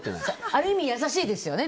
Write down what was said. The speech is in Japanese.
ある意味、優しいですよね。